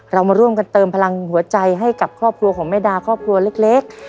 เรามาร่วมกันเติมพลังหัวใจให้กับครอบครัวของแม่ดาครอบครัวเล็ก